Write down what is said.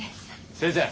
先生